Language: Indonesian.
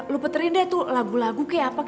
lu peterin deh tuh lagu lagu kayak apa